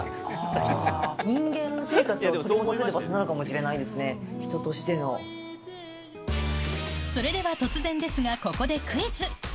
人間生活を取り戻せる場所なのかもしれないですね、人としてそれでは突然ですが、ここでクイズ。